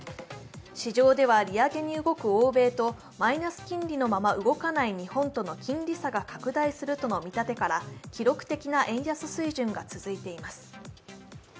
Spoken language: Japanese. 市場では利上げに動く欧米とマイナス金利のまま動かない日本との金利差が拡大するとの見立てから記録的な円安水準が続いています。